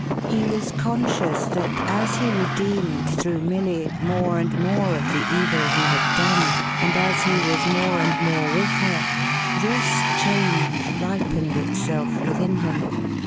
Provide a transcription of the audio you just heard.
A FAR BETTER GUT. 513 He was conscious that, as he redeemed, through Milly, more and more of the evil he had done, and as he was more and more with her, this change ripened itself within him.